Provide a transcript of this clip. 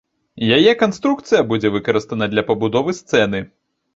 Яе канструкцыя будзе выкарыстана для пабудовы сцэны.